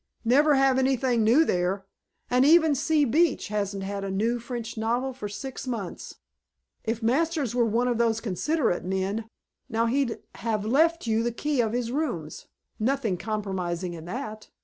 "Never have anything new there, and even C. Beach hasn't had a new French novel for six months. If Masters were one of those considerate men, now, he'd have left you the key of his rooms. Nothing compromising in that.